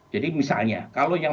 jadi misalnya kalau yang